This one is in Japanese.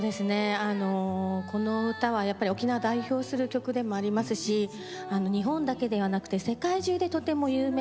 この歌は沖縄を代表する曲でもありますし日本だけではなくて世界中でとても有名な曲になります。